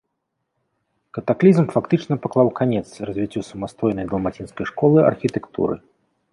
Катаклізм фактычна паклаў канец развіццю самастойнай далмацінскай школы архітэктуры.